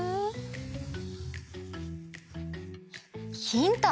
ヒント！